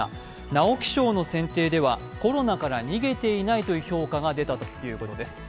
直木賞の選定ではコロナから逃げていないという評価が出たということです。